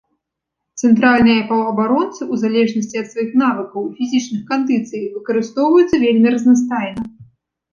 Цэнтральныя паўабаронцы, у залежнасці ад сваіх навыкаў і фізічных кандыцый, выкарыстоўваюцца вельмі разнастайна.